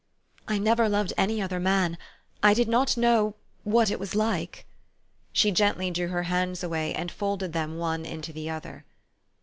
I never loved any other man. I did not know what it was like." She gently drew her hands away, and folded them one into the other.